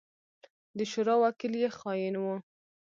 د شورا وکيل يې خائن وو.